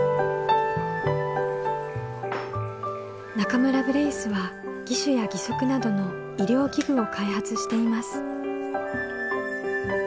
中村ブレイスは義手や義足などの医療器具を開発しています。